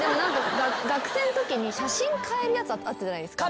学生のときに写真買えるやつあったじゃないですか。